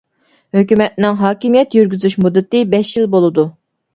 ھۆكۈمەتنىڭ ھاكىمىيەت يۈرگۈزۈش مۇددىتى بەش يىل بولىدۇ.